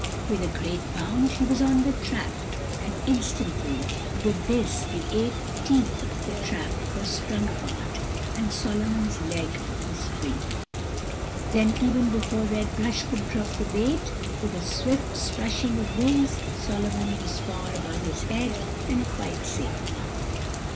With a great bound he was on the trap, and instantly, with this the eight teeth of the trap were sprung apart, and Solomon's leg was free. Then, even before Red Brush could drop the bait, with a swift uprushing of wings Solomon was far above his head, and quite safe.